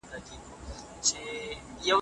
امانت ساتل مهم دي.